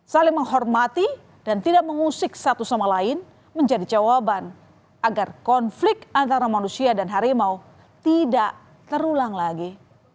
saling menghormati dan tidak mengusik satu sama lain menjadi jawaban agar konflik antara manusia dan harimau tidak terulang lagi